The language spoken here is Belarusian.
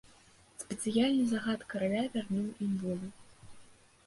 Спецыяльны загад караля вярнуў ім волю.